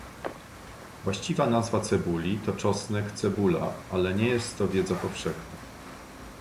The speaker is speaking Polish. Właściwa nazwa cebuli to czosnek cebula, ale nie jest to wiedza powszechna.